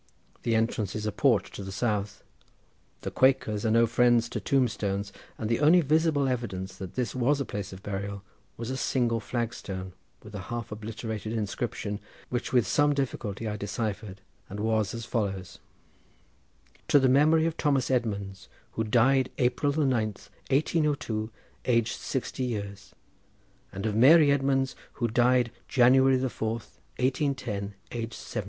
The entrance is a porch to the south. The Quakers are no friends to tombstones, and the only visible evidence that this was a place of burial was a single flagstone, with a half obliterated inscription, which with some difficulty I deciphered, and was as follows:— To the Memory of Thomas Edmunds Who died April the ninth 1802 aged 60 years And of Mary Edmunds Who died January the fourth 1810 aged 70.